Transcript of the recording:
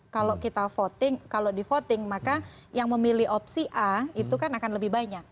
kalau kita voting kalau di voting maka yang memilih opsi a itu kan akan lebih banyak